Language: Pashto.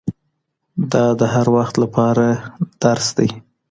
دا د هر وخت له پاره درس دی